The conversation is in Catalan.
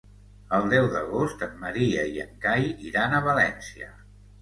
El deu d'agost en Maria i en Cai iran a València.